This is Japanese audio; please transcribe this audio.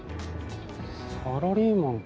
サラリーマンか